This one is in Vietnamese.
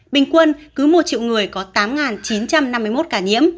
bình quân cứ một triệu người có tám chín trăm năm mươi một ca nhiễm